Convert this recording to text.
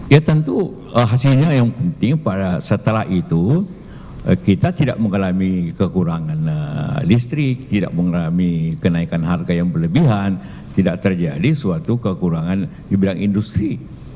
ya tentu hasilnya yang penting setelah itu kita tidak mengalami kekurangan listrik tidak mengalami kenaikan harga yang berlebihan tidak terjadi suatu kekurangan di bidang industri